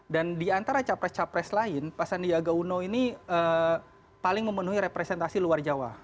dan di antara capres capres lain pasandia gauno ini paling memenuhi representasi luar jawa